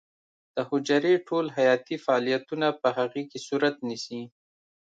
د حجرې ټول حیاتي فعالیتونه په هغې کې صورت نیسي.